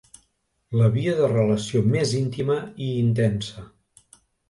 La via de relació més íntima i intensa.